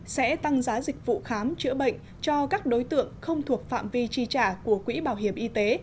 sẽ tăng giá dịch vụ khám chữa bệnh cho các đối tượng không thuộc phạm vi tri trả của quỹ bảo hiểm y tế